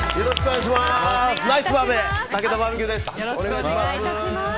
よろしくお願いします。